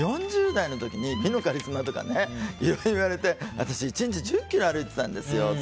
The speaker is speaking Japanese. ４０代の時に美のカリスマとかいろいろいわれて私、１日１０ｋｍ歩いてたんですよ。